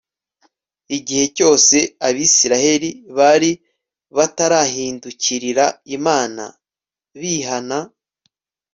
Igihe cyose Abisirayeli bari batarahindukirira Imana bihana